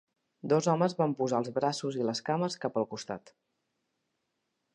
Dos homes van posar els braços i les cames cap al costat.